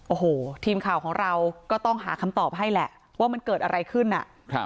โอ้โหทีมข่าวของเราก็ต้องหาคำตอบให้แหละว่ามันเกิดอะไรขึ้นอ่ะครับ